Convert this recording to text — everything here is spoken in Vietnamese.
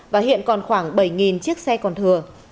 và hiện còn khoảng bảy chiếc xe còn thừa